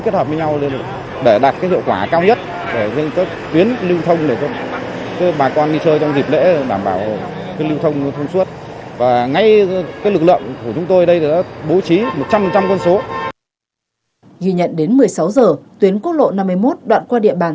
tuyến quốc lộ năm mươi một đoạn qua địa bàn